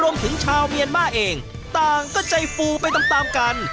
รวมถึงชาวเมียนมาเองต่างก็ใจฟูไปตามตามกัน